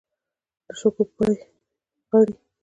له شګو پړي غړي.